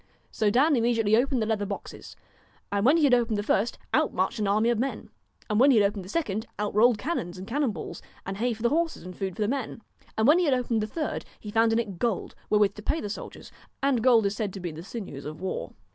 So Dan immediately opened the leather boxes. And when he had opened the first out marched an army of men. And when he had opened the second out rolled cannons and cannon balls, and hay for the horses, and food for the men. And when he had opened the third he found in it gold, wherewith to pay the soldiers, and gold is said to be ' the sinews of war.'